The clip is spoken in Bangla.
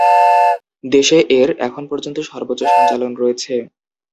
দেশে এর এখন পর্যন্ত সর্বোচ্চ সঞ্চালন রয়েছে।